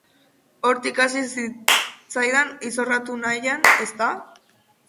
Hortik hasi zitzaidaan izorratu nahian, ezta?